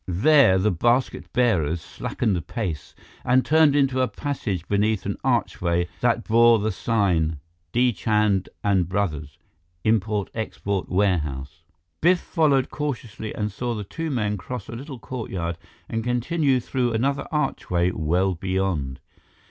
There, the basket bearers slackened pace and turned into a passage beneath an archway that bore the sign: D. CHAND & BROS. Import Export Warehouse Biff followed cautiously and saw the two men cross a little courtyard and continue through another archway well beyond.